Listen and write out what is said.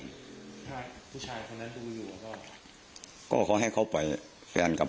มีเรื่องอะไรมาคุยกันรับได้ทุกอย่าง